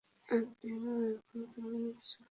Aunty, মা এখন কেমন আছে?